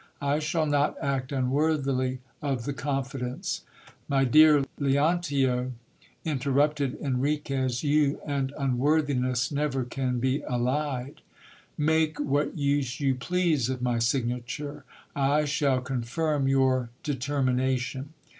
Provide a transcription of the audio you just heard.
I shall not act unworthily of the confidence .... My dear Leontio, interrupted Enriquez, you and unworthiness never can be allied. Make what use you please of my signa ture. I shall confirm your determination.